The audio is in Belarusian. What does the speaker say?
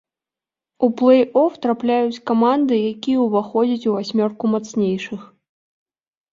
У плэй-оф трапляюць каманды, якія ўваходзяць у васьмёрку мацнейшых.